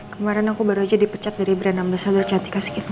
kemarin aku baru aja dipecat dari brand ambasador cantika sekitar kera